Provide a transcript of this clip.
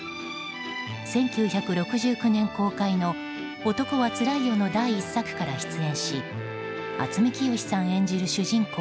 １９６９年公開の「男はつらいよ」の第１作から出演し渥美清さん演じる主人公